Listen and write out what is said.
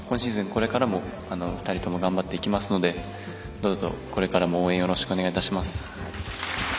これからも２人とも頑張っていきますのでどうぞこれからも応援よろしくお願いいたします。